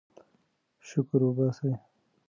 شکر وباسئ.